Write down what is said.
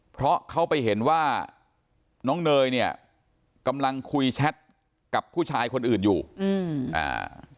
เพราะเขาไปเห็นว่าน้องเนยเนี่ยกำลังคุยแชทกับผู้ชายคนอื่นอยู่อืมอ่า